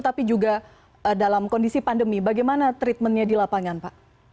tapi juga dalam kondisi pandemi bagaimana treatmentnya di lapangan pak